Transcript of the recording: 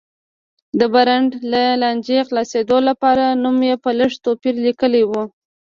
د برانډ له لانجې خلاصېدو لپاره نوم یې په لږ توپیر لیکلی و.